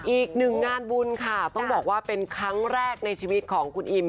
อีกหนึ่งงานบุญค่ะต้องบอกว่าเป็นครั้งแรกในชีวิตของคุณอิม